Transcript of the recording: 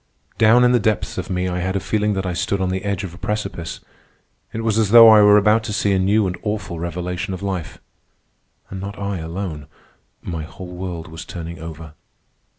Down in the depths of me I had a feeling that I stood on the edge of a precipice. It was as though I were about to see a new and awful revelation of life. And not I alone. My whole world was turning over.